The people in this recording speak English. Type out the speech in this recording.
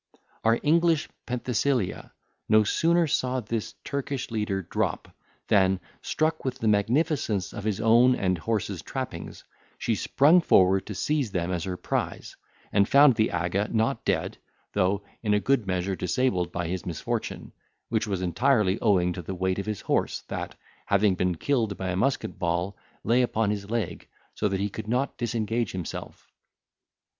Our English Penthesilea no sooner saw this Turkish leader drop, than, struck with the magnificence of his own and horse's trappings, she sprung forward to seize them as her prize, and found the aga not dead, though in a good measure disabled by his misfortune, which was entirely owing to the weight of his horse, that, having been killed by a musket ball, lay upon his leg, so that he could not disengage himself.